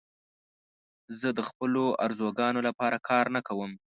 زه د خپلو آرزوګانو لپاره کار نه کوم.